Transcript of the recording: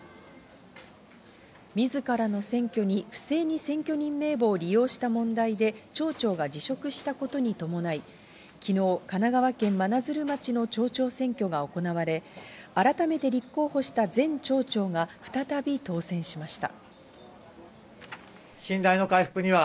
みずからの選挙に不正に選挙人名簿を利用した問題で町長が辞職したことに伴い、昨日、神奈川県真鶴町の町長選挙が行われ、改めて立候補した前町長が再び当選しました。